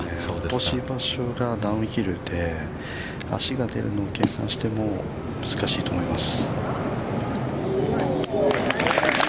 落とし場所がダウンヒルで、足が出るのを計算しても難しいと思います。